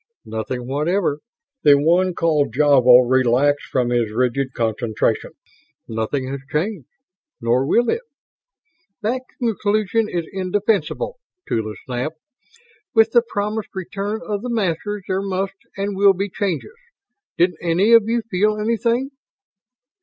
"Nothing whatever." The one called Javo relaxed from his rigid concentration. "Nothing has changed. Nor will it." "That conclusion is indefensible!" Tula snapped. "With the promised return of the Masters there must and will be changes. Didn't any of you feel anything?"